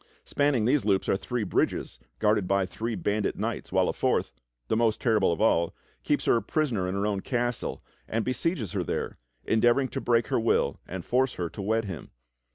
Span ning these loops are three bridges guarded by three bandit knights, while a fourth, the most terrible of all, keeps her a prisoner in her own castle, and besieges her there, endeavoring to break her will and force her to wed him.